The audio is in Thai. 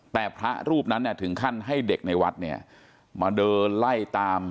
แต่พระรูปนั้นถึงขั้นให้เด็กในวัดเนี่ยมาเดินไล่ตาม